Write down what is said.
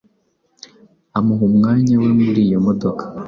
amuha umwanya we muri iyo modoka